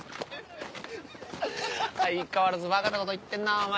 相変わらずバカなこと言ってんなぁお前。